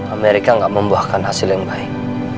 amerika tidak membuahkan hasil yang baik